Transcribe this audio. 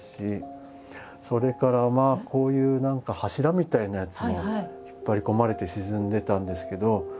それからこういう何か柱みたいなやつも引っ張り込まれて沈んでたんですけど。